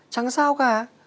chẳng sao cả